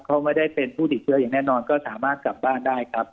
เขาไม่ได้เป็นผู้ติดเชื้ออย่างแน่นอนก็สามารถกลับบ้านได้ครับ